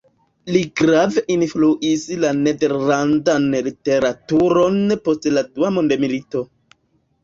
Li grave influis la nederlandan literaturon post la Dua Mondmilito.